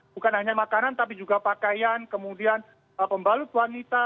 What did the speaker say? bukan hanya makanan tapi juga pakaian kemudian pembalut wanita